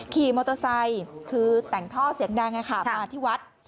ขี่มอเตอร์ไซค์คือแต่งท่อเสียงดังมาที่วัด